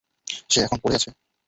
সে এখানে পড়ে আছে।